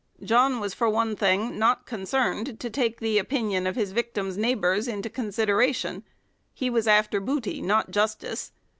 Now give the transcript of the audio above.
John was for one thing not con cerned to take the opinion of his victims' neighbours into consideration : he was after booty, not justice.